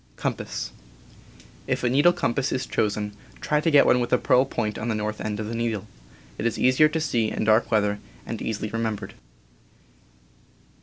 PERSONAL KITS 31 If a needle compass is chosen, try to get one with a pearl point on the north end of the needle; it is easier to see in dark weather, and easily re ^* membered.